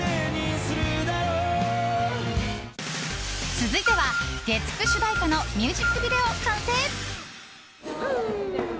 続いては、月９主題歌のミュージックビデオ完成。